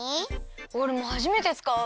おれもはじめてつかう。